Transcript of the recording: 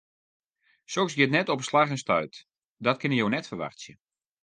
Soks giet net op slach en stuit, dat kinne jo net ferwachtsje.